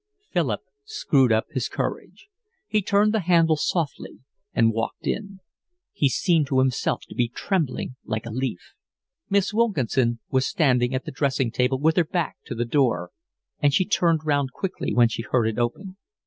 Philip screwed up his courage. He turned the handle softly and walked in. He seemed to himself to be trembling like a leaf. Miss Wilkinson was standing at the dressing table with her back to the door, and she turned round quickly when she heard it open.